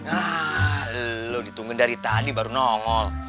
ah lo ditungguin dari tadi baru nongol